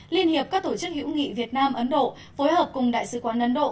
liên hiệp các tổ chức hữu nghị việt nam ấn độ phối hợp cùng đại sứ quán ấn độ